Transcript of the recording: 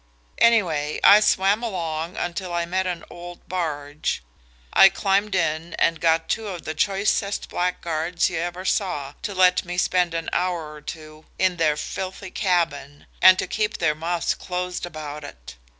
Anyway, I swam along until I met with an old barge. I climbed in and got two of the choicest blackguards you ever saw to let me spend an hour or two in their filthy cabin and to keep their mouths closed about it.